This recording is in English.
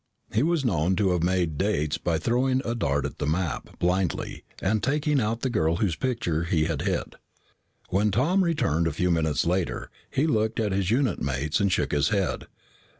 He was known to have made dates by throwing a dart at the map blindly and taking out the girl whose picture he had hit. When Tom returned a few minutes later, he looked at his unit mates and shook his head.